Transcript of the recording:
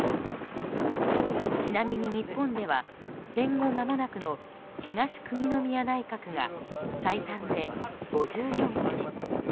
ちなみに、日本では戦後間もなくの東久邇宮内閣が最短で、５４日。